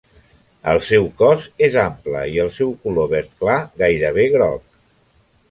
El seu cos és ample i el seu color verd clar gairebé groc.